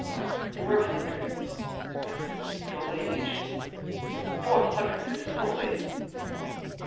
"Four hundred, at a pistole each, four hundred pistoles."